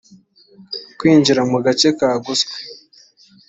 kwinjira mu gace kagoswe